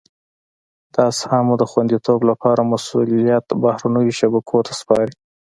د اسهامو د خوندیتوب لپاره مسولیت بهرنیو شبکو ته سپاري.